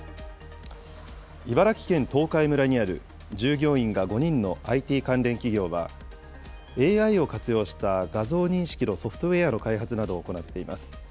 茨城県東海村にある従業員が５人のＩＴ関連企業は、ＡＩを活用した画像認識のソフトウェアの開発などを行っています。